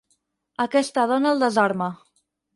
Aquesta dona el desarma.